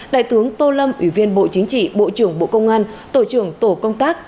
đại tướng tô lâm ủy viên bộ chính trị bộ trưởng bộ công an tổ trưởng tổ công tác